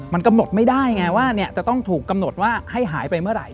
มันกำหนดไม่ได้ไงว่าจะต้องถูกกำหนดว่าให้หายไปเมื่อไหร